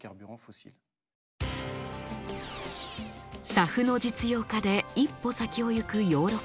ＳＡＦの実用化で一歩先を行くヨーロッパ。